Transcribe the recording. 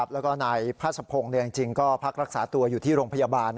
แล้วก็นายพาสะพงศ์จริงก็พักรักษาตัวอยู่ที่โรงพยาบาล